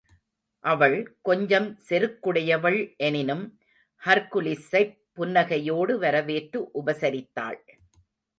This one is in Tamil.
அவள், கொஞ்சம் செருக்குடையவள் எனினும், ஹர்குலிஸைப் புன்னகையோடு வரவேற்று உபசரித்தாள்.